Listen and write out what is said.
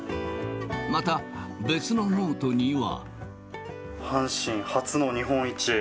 また、別のノートには。